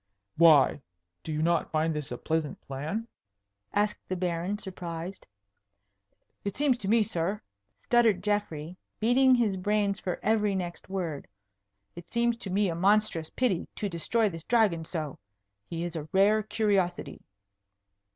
"Why do you not find this a pleasant plan?" asked the Baron, surprised. "It seems to me, sir," stuttered Geoffrey, beating his brains for every next word, "it seems to me a monstrous pity to destroy this Dragon so. He is a rare curiosity."